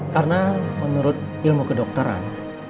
karena menurut ilmu kedokteran